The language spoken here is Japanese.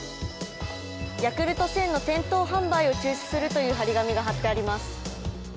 ヤクルト１０００の店頭販売を中止するという張り紙が貼ってあります